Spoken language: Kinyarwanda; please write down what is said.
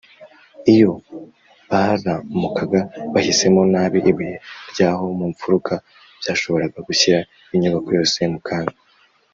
iyo baramukaga bahisemo nabi ibuye ry’aho mu mfuruka, byashoboraga gushyira inyubako yose mu kaga